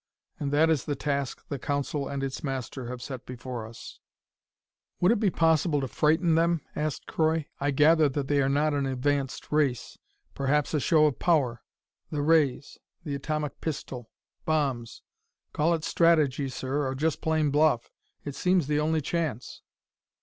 And that is the task the Council and its Master have set before us." "Would it be possible to frighten them?" asked Croy. "I gather that they are not an advanced race. Perhaps a show of power the rays the atomic pistol bombs Call it strategy, sir, or just plain bluff. It seems the only chance."